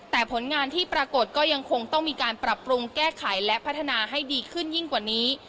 แต่ผลงานที่ปรากฏก็ยังคงต้องมีการปรับปรุงแก้ไขและพัฒนาให้ดีขึ้นยิ่งกว่านี้